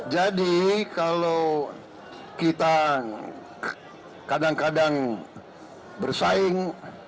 jadi kalau kita kadang kadang bersaing